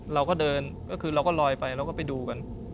เราก็เดินก็คือเราก็ลอยไปเราก็ไปดูกัน